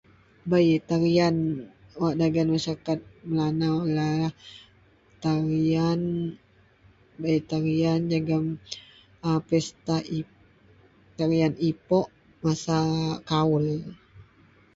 Bei tarian wak dagen masarakat melanau ialah tarian, bei tarian jegem pesta Tarian ipok mass kawul